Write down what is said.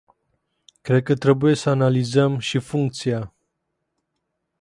Cred că trebuie să analizăm și funcția.